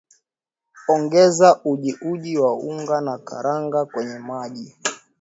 Ongeza ujiuji wa unga na karanga kwenye maji